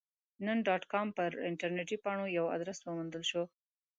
نن ډاټ کام پر انټرنیټي پاڼه یو ادرس وموندل شو.